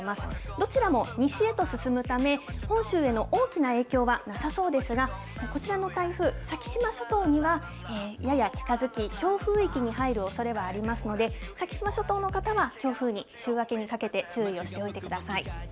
どちらも西へと進むため、本州への大きな影響はなさそうですが、こちらの台風、先島諸島にはやや近づき、強風域に入るおそれはありますので、先島諸島の方は強風に、週明けにかけて注意をしてみてください。